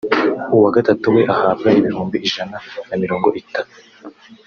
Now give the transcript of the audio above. uwa gatatu we ahabwa ibihumbi ijana na mirongo itanu